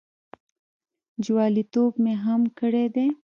جوالیتوب مې هم کړی دی.